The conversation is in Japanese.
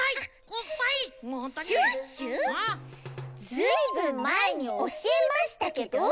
ずいぶんまえにおしえましたけど？